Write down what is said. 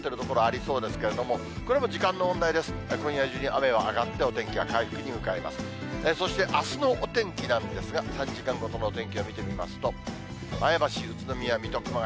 そして、あすのお天気なんですが、３時間ごとのお天気を見てみますと、前橋、宇都宮、水戸、熊谷。